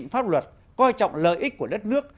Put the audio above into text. pháp luật coi trọng lợi ích của đất nước